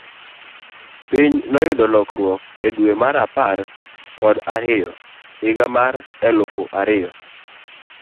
Piny noyudo lokruok e dwe mar apar kod ariyo higa mar elufu ariyo.